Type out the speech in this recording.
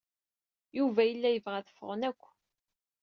Yuba yella yebɣa ad ffɣen akk.